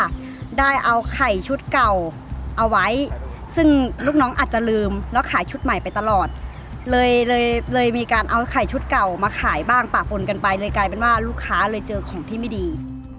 ได้เอาไข่ชุดเก่าเอาไว้ซึ่งลูกน้องอาจจะลืมแล้วขายชุดใหม่ไปตลอดเลยเลยเลยมีการเอาไข่ชุดเก่ามาขายบ้างปะปนกันไปเลยกลายเป็นว่าลูกค้าเลยเจอของที่ไม่ดี